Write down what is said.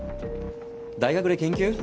大学で研究？